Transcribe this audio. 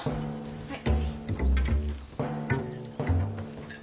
はい。